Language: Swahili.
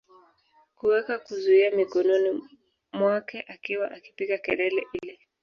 kuweka kizuia mikononi mwake akiwa akipiga kelele ili